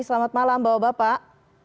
selamat malam bapak bapak